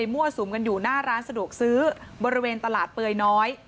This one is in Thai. มั่วสุมกันอยู่หน้าร้านสะดวกซื้อบริเวณตลาดเปื่อยน้อย